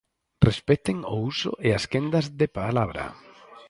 Respecten o uso e as quendas de palabra.